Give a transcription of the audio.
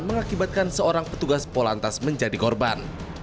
mengakibatkan seorang petugas polantas menjadi korban